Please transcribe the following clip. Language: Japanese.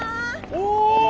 お！